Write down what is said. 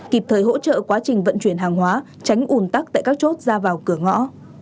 kịp thời hỗ trợ quá trình vận chuyển hàng hóa tránh ủn tắc tại các chốt ra vào cửa ngõ